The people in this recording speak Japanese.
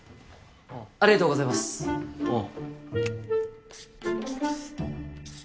ありがとうございますああああお？